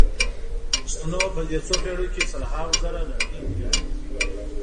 پښتنو په دې څو پېړیو کې سلهاوو زره لنډۍ ویلي.